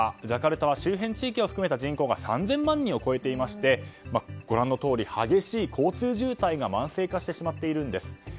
ジャカルタは周辺地域を含めた人口が３０００万人を超えていまして激しい交通渋滞が慢性化してしまっているんです。